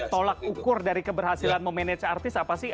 tolak ukur dari keberhasilan memanage artis apa sih